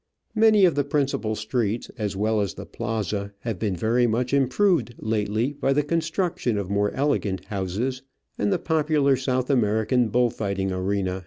Many of the principal streets, as well as the plaza, have been very much improved lately by the construction of more elegant houses, and the popular South American bull fighting arena A STRBirr IN BAKRAKQUILLA.